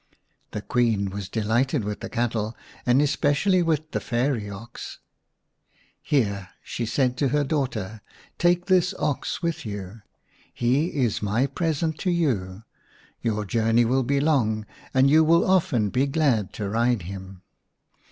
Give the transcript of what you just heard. The Queen was delighted with the cattle, and especially with the fairy ox. //" Here," said she to her daughter, " take this ox with you. He is my present to you ; your journey will be/long and you will often be glad to ride him.'!